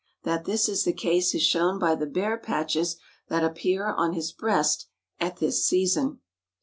That this is the case is shown by the bare patches that appear on his breast at this season.